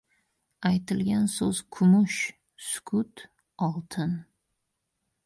• Aytilgan so‘z ― kumush, sukut ― oltin.